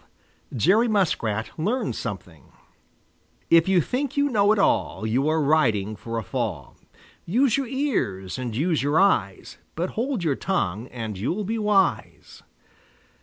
XII JERRY MUSKRAT LEARNS SOMETHING If you think you know it all You are riding for a fall. Use your ears and use your eyes, But hold your tongue and you'll be wise.